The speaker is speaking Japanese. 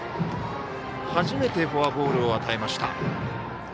初めてフォアボールを与えました。